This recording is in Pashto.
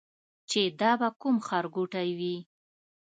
چې دا به کوم ښار ګوټی وي.